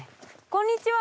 こんにちは！